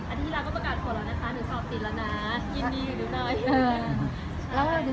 อันที่เช้าก็ประกาตกลอนระหว่างในค่ะถึงสอบติดล่ะนะ